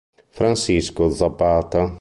Francisco Zapata